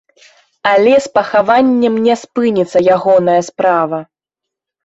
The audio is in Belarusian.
Але з пахаваннем не спыніцца ягоная справа.